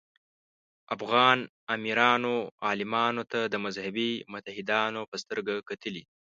افغان امیرانو عالمانو ته د مذهبي متحدانو په سترګه کتلي.